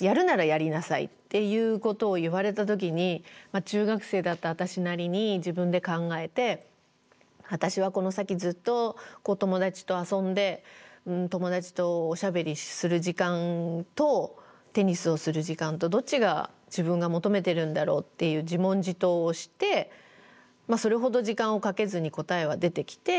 やるならやりなさいっていうことを言われた時に中学生だった私なりに自分で考えて私はこの先ずっと友達と遊んで友達とおしゃべりする時間とテニスをする時間とどっちが自分が求めてるんだろうっていう自問自答をしてそれほど時間をかけずに答えは出てきてやっぱりテニスを選ぶと。